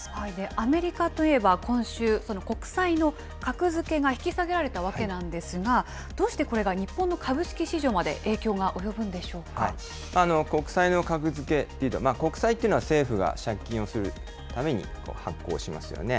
アメリカといえば今週、その国債の格付けが引き下げられたわけなんですが、どうしてこれが日本の株式市場まで影響が及ぶんで国債の格付けというと、国債というのは政府が借金をするために発行しますよね。